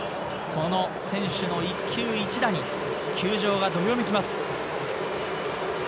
この選手の一球一打に球場がどよめきます。